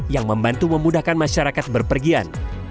yang membantu memudahkan masyarakat berpergian